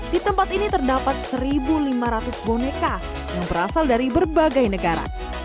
di tempat ini terdapat satu lima ratus boneka yang berasal dari berbagai negara